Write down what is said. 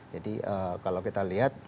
jadi kalau kita lihat